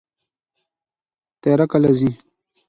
تیاره کله ځي؟